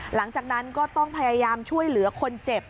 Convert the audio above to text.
หลังจากนั้นก็ต้องพยายามช่วยเหลือคนเจ็บ